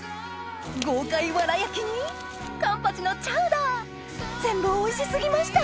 豪快わら焼きにカンパチのチャウダー全部おいし過ぎました